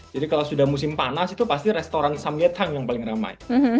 jadi kalau sudah musim panas itu pasti restoran samgyetang yang paling ramai